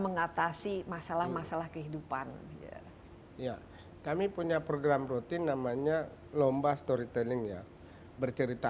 mengatasi masalah masalah kehidupan ya kami punya program rutin namanya lomba storytelling ya bercerita